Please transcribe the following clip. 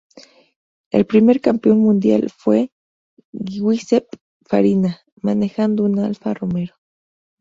El primer Campeón Mundial fue Giuseppe Farina, manejando un Alfa Romeo.